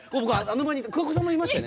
桑子さんもいましたよね。